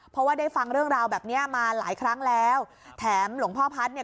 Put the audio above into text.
เพราะว่าได้ฟังเรื่องราวแบบเนี้ยมาหลายครั้งแล้วแถมหลวงพ่อพัฒน์เนี่ย